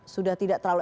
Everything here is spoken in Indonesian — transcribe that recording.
sudah tidak terlalu